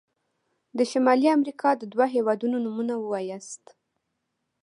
د شمالي امريکا د دوه هيوادونو نومونه ووایاست.